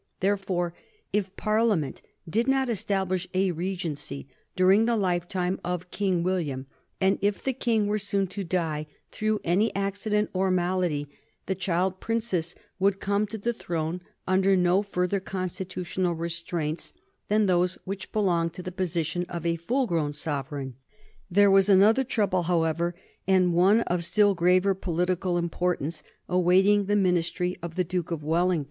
Therefore, if Parliament did not establish a regency during the lifetime of King William, and if the King were soon to die through any accident or malady, the child Princess would come to the throne under no further constitutional restraints than those which belonged to the position of a full grown sovereign. There was another trouble, however, and one of still graver political importance, awaiting the Ministry of the Duke of Wellington.